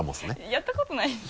やったことないんで。